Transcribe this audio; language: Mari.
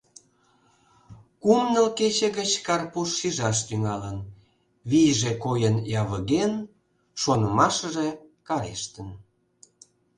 Кум-ныл кече гыч Карпуш шижаш тӱҥалын: вийже койын явыген, шонымашыже карештын.